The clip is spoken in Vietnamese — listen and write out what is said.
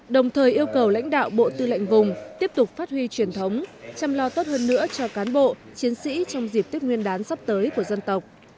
đồng thời yêu cầu lãnh đạo bộ tư lệnh vùng tiếp tục phát huy truyền thống chăm lo tốt hơn nữa cho cán bộ chiến sĩ trong dịp tết nguyên đán sắp tới của dân tộc